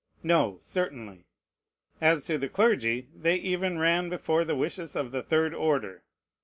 No, certainly. As to the clergy, they even ran before the wishes of the third order.